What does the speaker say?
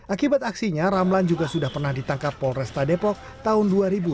akibat aksinya ramlan juga sudah pernah ditangkap polresta depok tahun dua ribu empat